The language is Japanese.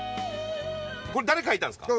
これ誰書いたんですか？